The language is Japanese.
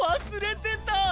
忘れてた。